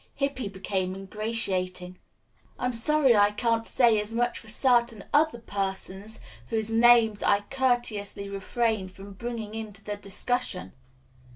Hippy became ingratiating. "I'm sorry I can't say as much for certain other persons whose names I courteously refrain from bringing into the discussion."